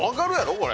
これ？